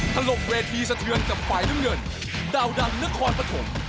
ทะลกเวทีเสียเทือนจากฝ่ายน้ำเงินดาวดำนครปฐม